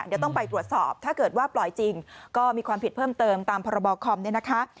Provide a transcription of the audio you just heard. เดี๋ยวต้องไปตรวจสอบถ้าเกิดว่าปล่อยจริงก็มีความผิดเพิ่มเติมตามพรบคอมเนี่ยนะคะ